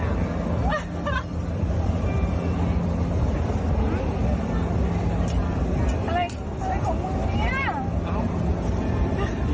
อะไรเนี่ย